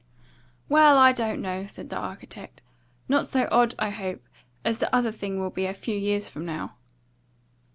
"Well, I don't know," said the architect. "Not so odd, I hope, as the other thing will be a few years from now."